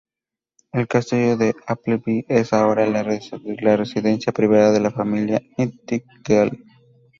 El Castillo de Appleby es ahora la residencia privada de la familia Nightingale.